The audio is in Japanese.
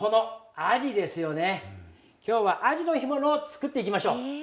今日はアジの干物を作っていきましょう。